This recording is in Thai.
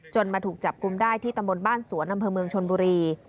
มาถูกจับกลุ่มได้ที่ตำบลบ้านสวนอำเภอเมืองชนบุรี